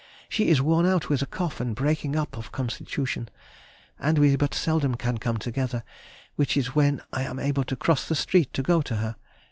She is worn out with a cough and breaking up of constitution, and we but seldom can come together, which is when I am able to cross the street to go to her....